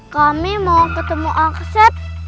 kami mau ketemu alkaseb